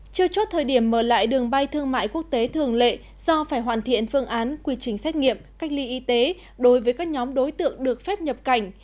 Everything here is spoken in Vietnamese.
chưa chốt thời điểm mở lại đường bay thương mại quốc tế thường lệ do phải hoàn thiện phương án quy trình xét nghiệm cách ly y tế đối với các nhóm đối tượng được phép nhập cảnh